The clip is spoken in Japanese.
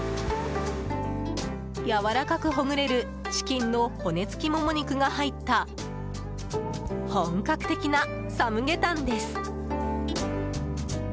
やわらかくほぐれるチキンの骨付きモモ肉が入った本格的なサムゲタンです。